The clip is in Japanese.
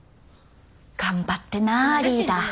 頑張ってなリーダー。